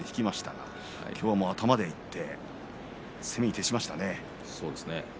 今日も頭でいって攻めに徹しましたね。